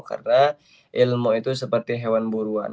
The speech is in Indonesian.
karena ilmu itu seperti hewan buruan